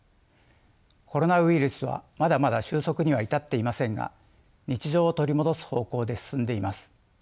コロナウイルスはまだまだ収束には至っていませんが日常を取り戻す方向で進んでいます。